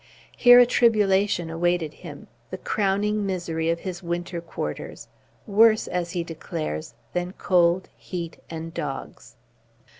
Here a tribulation awaited him, the crowning misery of his winter quarters, worse, as he declares, than cold, heat, and dogs.